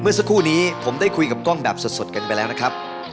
เมื่อสักครู่นี้ผมได้คุยกับกล้องแบบสดกันไปแล้วนะครับ